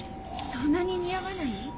そんなに似合わない？